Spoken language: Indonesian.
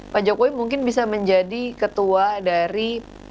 pak jokowi mungkin bisa menjadi ketua dari